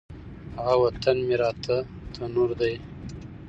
هغه وطن مي راته تنور دی